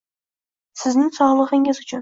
Sizning sog'ligingiz uchun!